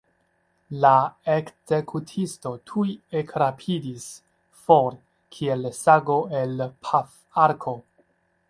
La ekzekutisto tuj ekrapidis for, kiel sago el pafarko.